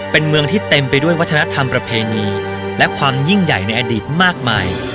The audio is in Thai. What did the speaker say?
เป็นเมืองที่เต็มไปด้วยวัฒนธรรมประเพณีและความยิ่งใหญ่ในอดีตมากมาย